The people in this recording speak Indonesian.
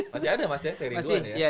masih ada mas ya seri dua nih ya